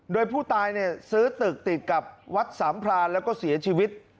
โดยผู้ตายซื้อตึกติดกับวัดสามพรานแล้วก็เสียชีวิต